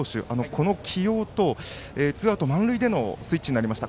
この起用とツーアウト、満塁でのスイッチになりました。